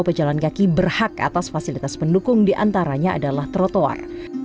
pejalan kaki berhak atas fasilitas pendukung diantaranya adalah trotoar